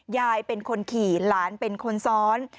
ยายเป็นคนขี่หลานเป็นคนซ้อน